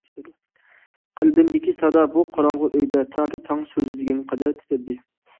قەلبىمدىكى سادا بۇ قاراڭغۇ ئۆيدە تاكى تاڭ سۈزۈلگەنگە قەدەر تىترىدى.